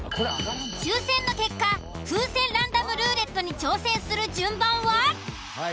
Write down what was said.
抽選の結果風船ランダムルーレットに挑戦する順番は。